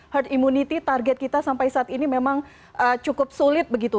herd immunity target kita sampai saat ini memang cukup sulit begitu